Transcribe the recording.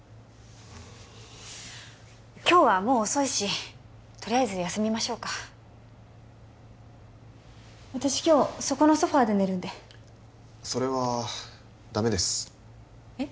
今日はもう遅いしとりあえず休みましょうか私今日そこのソファーで寝るんでそれはダメですえっ？